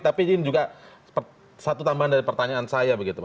tapi ini juga satu tambahan dari pertanyaan saya begitu